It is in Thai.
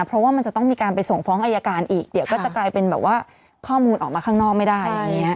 เพราะว่ามันจะต้องมีการไปส่งฟ้องอายการอีกเดี๋ยวก็จะกลายเป็นแบบว่าข้อมูลออกมาข้างนอกไม่ได้อย่างนี้